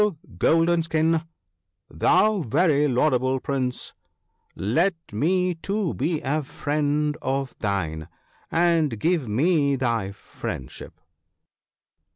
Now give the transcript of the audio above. Golden skin, thou very laud able Prince, let me too be a friend of thine, and give me thy friendship.